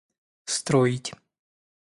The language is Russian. строить